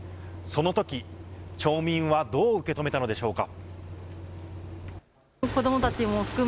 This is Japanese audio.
そのとき、町民はどう受け止めたのでしょうか。